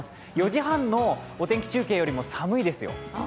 ４時半のお天気中継よりも寒いですよ。